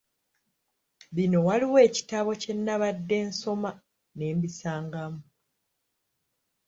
Bino waliwo ekitabo kye nnabadde nsoma ne mbisangamu.